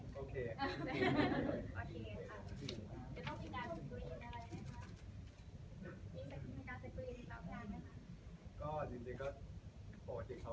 ก็จริงก็ปกติเขาก็เป็นคนสกรีนงานเขาเองดีที่สุดกับเขาอยู่แล้ว